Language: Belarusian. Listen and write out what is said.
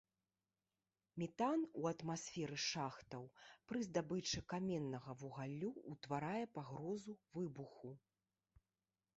Метан у атмасферы шахтаў пры здабычы каменнага вугалю утварае пагрозу выбуху.